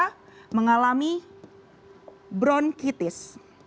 mereka mengalami bronkitis